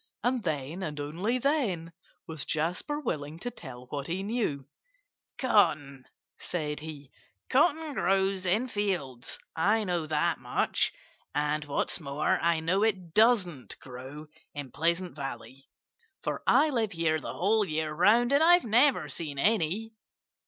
And then and only then was Jasper willing to tell what he knew. "Cotton " said he "cotton grows in fields. I know that much. And what's more, I know it doesn't grow in Pleasant Valley, for I live here the whole year round and I've never seen any."